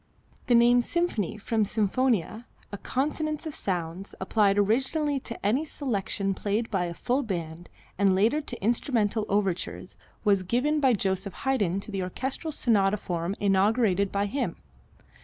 The name symphony, from sinfonia, a consonance of sounds, applied originally to any selection played by a full band and later to instrumental overtures, was given by Joseph Haydn to the orchestral sonata form inaugurated by him.